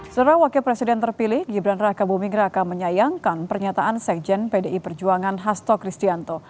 setelah wakil presiden terpilih gibran raka buming raka menyayangkan pernyataan sekjen pdi perjuangan hasto kristianto